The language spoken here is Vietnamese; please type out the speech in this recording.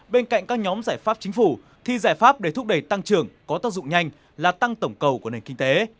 bên cạnh các nhóm giải pháp chính phủ thì giải pháp để thúc đẩy tăng trưởng có tác dụng nhanh là tăng tổng cầu của nền kinh tế